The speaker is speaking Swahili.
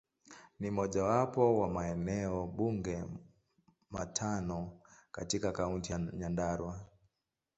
Ni mojawapo wa maeneo bunge matano katika Kaunti ya Nyandarua.